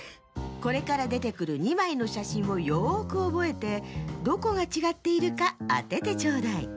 これからでてくる２まいのしゃしんをよくおぼえてどこがちがっているかあててちょうだい。